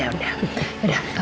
mau ya udah